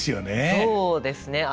そうですね。